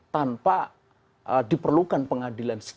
tanpa diperlukan pengadilan administrasi